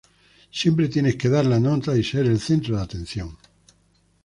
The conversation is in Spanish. Siempre tienes que dar la nota y ser el centro de atención